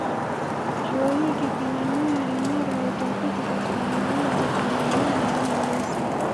Chuo hiki kina nia imara ya utafiti katika maeneo ya teknolojia na uhandisi.